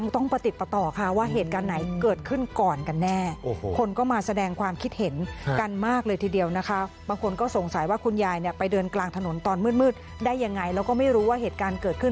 ตอนมืดได้อย่างไรแล้วก็ไม่รู้ว่าเหตุการณ์เกิดขึ้น